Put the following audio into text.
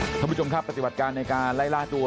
ทุกคนผู้ชมครับปฏิหวัดการณ์ในการไล่ล่าตัว